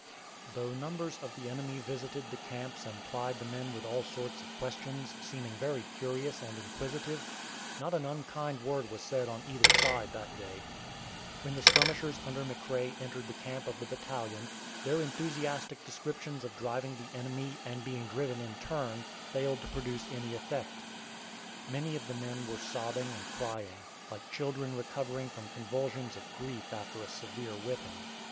Though numbers of the enemy visited the camps and plied the men with all sorts of questions, seeming very curious and inquisitive, not an unkind word was said on either side that day. When the skirmishers under McRae entered the camp of the battalion, their enthusiastic descriptions of driving the enemy and being driven in turn failed to produce any effect. Many of the men were sobbing and crying, like children recovering from convulsions of grief after a severe whipping.